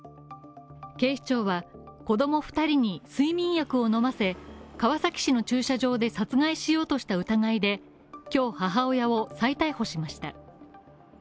警視庁は子供２人に睡眠薬を飲ませ、川崎市の駐車場で殺害しようとした疑いで、今日母親を再逮捕しました。